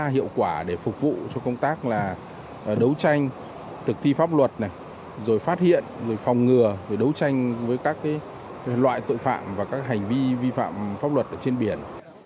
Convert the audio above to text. hiệu quả để phục vụ cho công tác là đấu tranh thực thi pháp luật này rồi phát hiện rồi phòng ngừa rồi đấu tranh với các loại tội phạm và các hành vi vi phạm pháp luật trên biển